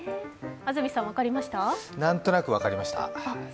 何となく分かりました。